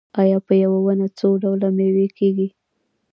آیا په یوه ونه څو ډوله میوه کیږي؟